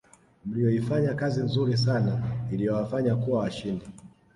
mliyoifanya kazi nzuri sana iliyowafanya kuwa washindi